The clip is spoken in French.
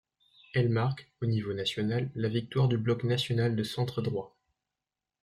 Elles marquent, au niveau national, la victoire du Bloc National de centre-droit.